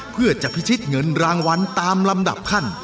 เพื่อจะพิชิตเงินรางวัลตามลำดับขั้น